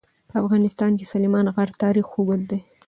په افغانستان کې د سلیمان غر تاریخ اوږد دی.